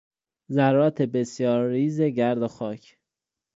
ذرات بسیار ریز گرد و خاک